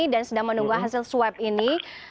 dan sedang menunggu hasil swab ini